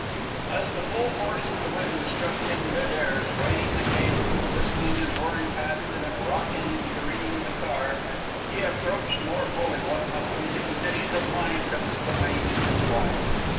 As the full force of the wind struck him in mid air, swaying the cable and whistling and roaring past it, and rocking and careening the car, he appreciated more fully what must be the condition of mind of Spillane and his wife.